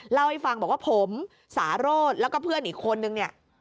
เล่าให้ฟังว่าผมสารดแล้วก็เพื่อนอีกคนหนึ่ง